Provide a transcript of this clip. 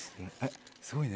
すごいね。